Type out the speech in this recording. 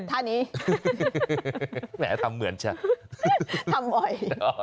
ท่านี้แหมทำเหมือนฉันทำบ่อย